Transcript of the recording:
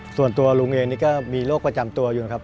ส่วนตัวลุงเองนี่ก็มีโรคประจำตัวอยู่นะครับ